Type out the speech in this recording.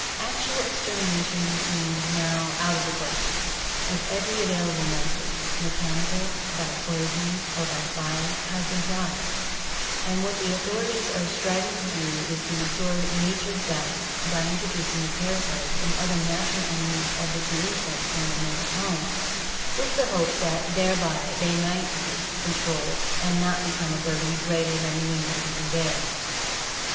Actual extermina tion seems now out of the question, as every available method, mechanical, by poison, or by fire, has been tried, and what the authorities are striving to do is to restore nature's balance by in troducing the parasites and other natural enemies of the two insects from their native home, with the hope that thereby they may be controlled and not become a burden greater than New England can bear.